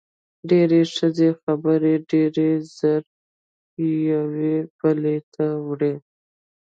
ډېری ښځې خبرې ډېرې زر یوې بلې ته وړي.